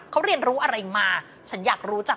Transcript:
เขาเรียนรู้อะไรมาฉันอยากรู้จัก